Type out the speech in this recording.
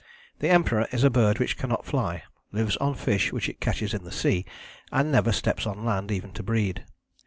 The Emperor is a bird which cannot fly, lives on fish which it catches in the sea, and never steps on land even to breed.